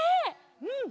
うん！